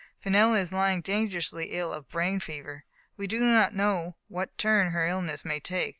Fenella is lying dangerously ill of brain fever. We do not know what turn her ill ness may take.